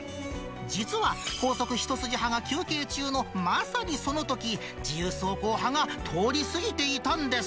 実は、高速一筋派が休憩中のまさにそのとき、自由走行派が通り過ぎていたんです。